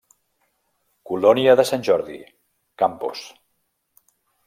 Colònia de Sant Jordi, Campos.